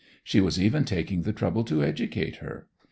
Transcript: She was even taking the trouble to educate her.